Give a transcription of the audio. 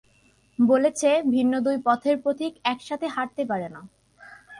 বলেছে, ভিন্ন দুই পথের পথিক একসাথে হাঁটতে পারে না।